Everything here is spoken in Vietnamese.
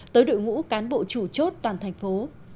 tới đội ngũ cán bộ chủ chốt toàn thành phố